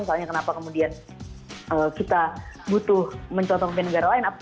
misalnya kenapa kemudian kita butuh mencontoh pemimpin negara lain